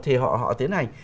thì họ tiến hành